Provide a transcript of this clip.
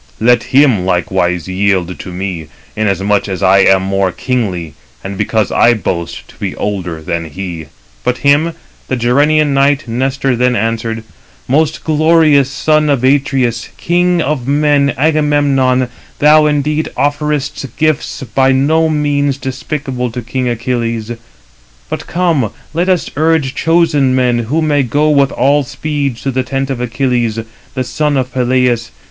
Let him likewise yield to me, inasmuch as I am more kingly, and because I boast to be older [than he]." But him the Gerenian knight Nestor then answered: "Most glorious son of Atreus, king of men, Agamemnon, thou indeed offerest gifts by no means despicable to king Achilles. But come, let us urge chosen men, who may go with all speed to the tent of Achilles, the son of Peleus.